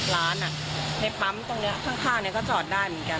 ร้านในปั๊มตรงนี้ข้างก็จอดได้เหมือนกัน